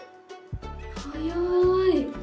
早い。